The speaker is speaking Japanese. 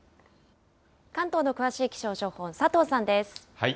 関東の詳しい気象情報、佐藤さんです。